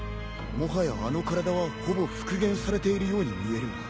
もはやあの体はほぼ復元されているように見えるが。